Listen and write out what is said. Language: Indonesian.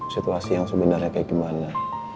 situasi yang sebenarnya kayak gimana